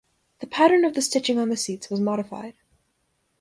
The pattern of the stitching on the seats was modified.